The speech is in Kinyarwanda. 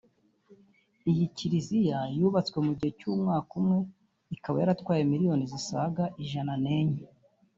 Iyi Kiliziya yubatswe mu gihe cy’umwaka umwe ikaba yaratwaye miliyoni zisaga ijana n’enye